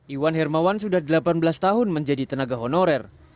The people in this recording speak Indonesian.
iwan hermawan sudah delapan belas tahun menjadi tenaga honorer